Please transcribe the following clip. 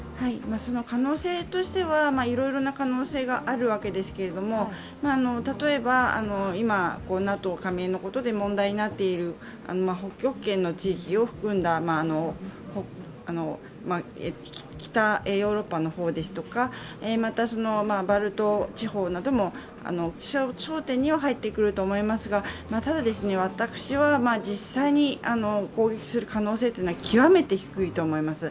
可能性としてはいろいろな可能性があるわけですけれども、例えば今、ＮＡＴＯ加盟のことで問題なっている北極圏の地域を含んだ北ヨーロッパですとかまた、バルト地方なども焦点には入ってくると思いますがただ、私は実際に攻撃する可能性は極めて低いと思います。